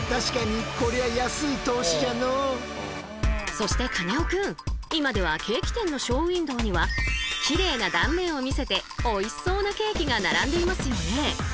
そしてカネオくん今ではケーキ店のショーウインドーにはきれいな断面を見せておいしそうなケーキが並んでいますよね。